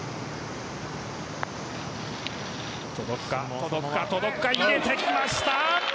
届くか。入れてきました！